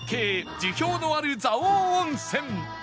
樹氷のある蔵王温泉